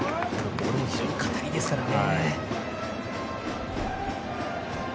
ボールも硬いですからね。